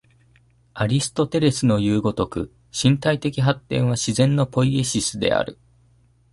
アリストテレスのいう如く、身体的発展は自然のポイエシスである。